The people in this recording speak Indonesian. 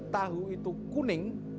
tahu itu kuning